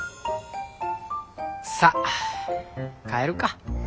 さっ帰るか。